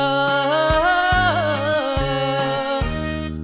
จงรอพี่ก่อนขอวอนเถิดน้อง